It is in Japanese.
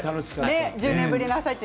１０年ぶりの「あさイチ」